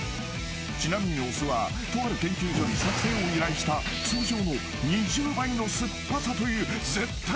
［ちなみにお酢はとある研究所に作製を依頼した通常の２０倍の酸っぱさという絶対にむせるものを用意］